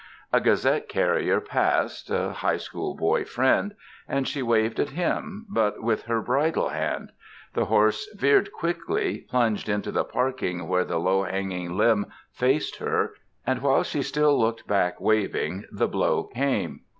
A Gazette carrier passed a High School boy friend and she waved at him, but with her bridle hand; the horse veered quickly, plunged into the parking where the low hanging limb faced her, and, while she still looked back waving, the blow came.